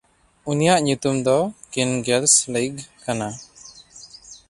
ᱩᱱᱤᱭᱟᱜ ᱧᱩᱛᱩᱢ ᱫᱚ ᱠᱤᱱᱜᱮᱥᱞᱮᱭᱜᱷ ᱠᱟᱱᱟ᱾